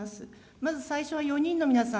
まず最初は４人の皆さん